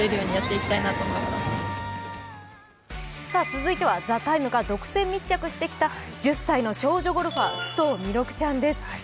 続いては「ＴＨＥＴＩＭＥ，」が独占密着してきました１０歳の少女ゴルファー・須藤弥勒ちゃんです。